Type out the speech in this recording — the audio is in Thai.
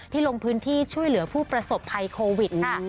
ลงพื้นที่ช่วยเหลือผู้ประสบภัยโควิดค่ะ